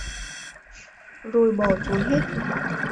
Rồi bỏ trốn hết